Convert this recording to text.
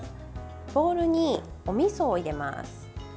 ボウルに、おみそを入れます。